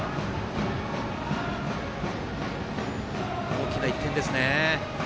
大きな１点ですね。